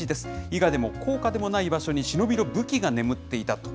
伊賀でも甲賀でもない場所に、忍びの武器が眠っていたと。